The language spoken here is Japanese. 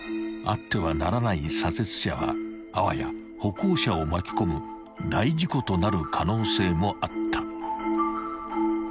［あってはならない左折車はあわや歩行者を巻き込む大事故となる可能性もあった］